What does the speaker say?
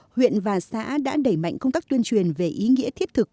huyện và xã đã đẩy mạnh công tác tuyên truyền về ý nghĩa thiết thực